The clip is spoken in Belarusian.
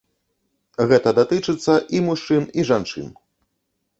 Гэта датычыцца і мужчын, і жанчын.